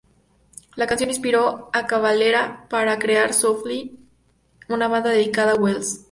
La canción inspiró a Cavalera para crear Soulfly, una banda dedicada a Wells.